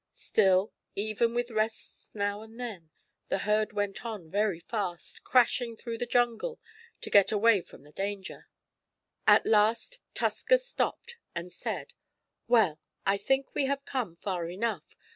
Still, even with rests now and then, the herd went on very fast, crashing through the jungle, to get away from the danger. At last Tusker stopped, and said: "Well, I think we have come far enough.